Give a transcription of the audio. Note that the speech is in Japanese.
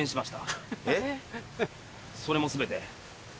それも全て。